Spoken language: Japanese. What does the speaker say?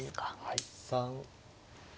はい。